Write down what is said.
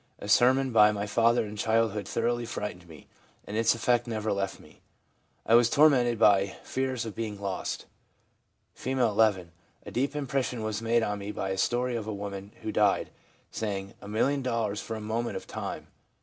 A sermon by my father in childhood thoroughly frightened me, and its effects never left me. I was tormented by fears of being lost/ F., 11. 4 A deep impression was made on me by a story of a woman who died, saying, "A million dollars for a moment of time